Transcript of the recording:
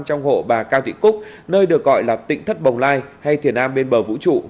trong hộ bà cao thị cúc nơi được gọi là tỉnh thất bồng lai hay thiền an bên bờ vũ trụ với hai nội dung còn lại